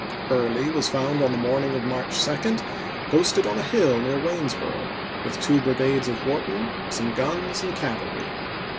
Early was found on the morning of March 2 posted on a hill near Waynesboro' with 1865. two brigades of Wharton, some guns, and cavalry.